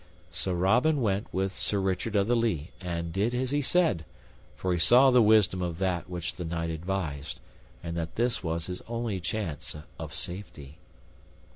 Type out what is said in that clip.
So Robin went with Sir Richard of the Lea, and did as he said, for he saw the wisdom of that which the knight advised, and that this was his only chance of safety.